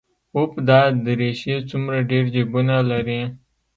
اوف دا دريشي څومره ډېر جيبونه لري.